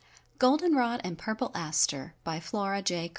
_ GOLDEN ROD AND PURPLE ASTER FLORA J.